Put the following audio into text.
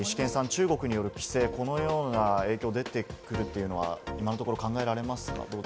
中国による規制、このような影響が出てくるというのは、今のところ考えられますか？